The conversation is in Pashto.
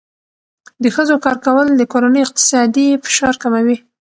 د ښځو کار کول د کورنۍ اقتصادي فشار کموي.